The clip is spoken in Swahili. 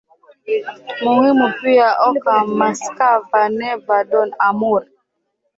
muhimu pia Oka Moskva Neva Don Amur